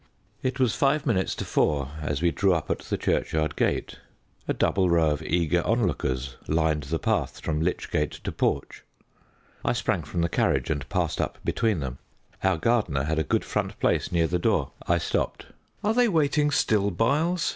It was five minutes to four as we drew up at the churchyard gate. A double row of eager on lookers lined the path from lychgate to porch. I sprang from the carriage and passed up between them. Our gardener had a good front place near the door. I stopped. "Are they waiting still, Byles?"